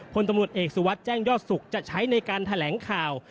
คนตำรวจเอกสุวัสดิ์แจ้งยอดสุขจะใช้ในการแถลงข่าว